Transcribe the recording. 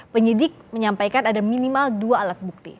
penyidik menyampaikan ada minimal dua alat bukti